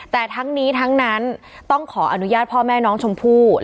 แต่ทั้งนี้ทั้งนั้นต้องขออนุญาตพ่อแม่น้องชมพู่